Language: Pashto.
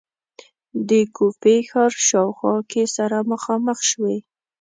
په کوفې ښار شاوخوا کې سره مخامخ شوې.